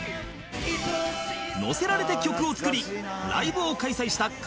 のせられて曲を作りライブを開催した狩野英孝